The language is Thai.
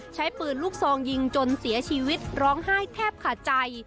ใช้ปืนลูกซองยิงจนเสียชีวิตร้องไห้แทบขาดใจ